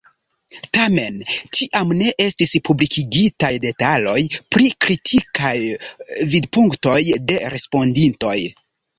Tamen tiam ne estis publikigitaj detaloj pri la kritikaj vidpunktoj de respondintoj.